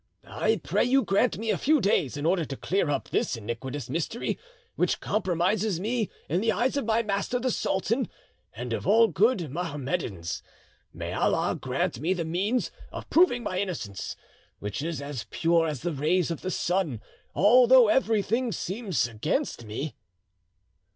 I pray you to grant me a few days in order to clear up this iniquitous mystery, which compromises me in the eyes of my master the sultan and of all good Mahommedans. May Allah grant me the means of proving my innocence, which is as pure as the rays of the sun, although everything seems against me!"